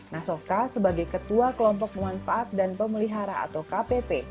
nasoka sebagai ketua kelompok manfaat dan pemelihara atau kpp